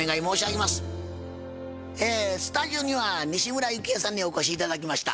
スタジオには西村由紀江さんにお越し頂きました。